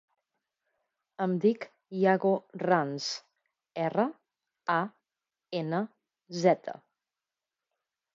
Em dic Yago Ranz: erra, a, ena, zeta.